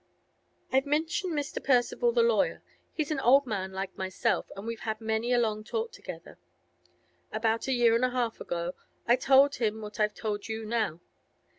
'I've mentioned Mr. Percival, the lawyer. He's an old man like myself, and we've had many a long talk together. About a year and a half ago I told him what I've told you now.